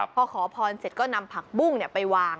พอขอพรเสร็จก็นำผักบุ้งไปวาง